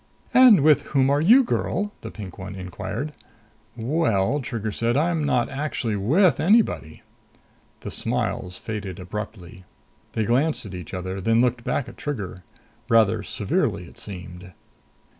"And with whom are you, girl?" the pink one inquired. "Well," Trigger said, "I'm not actually with anybody." The smiles faded abruptly. They glanced at each other, then looked back at Trigger. Rather severely, it seemed.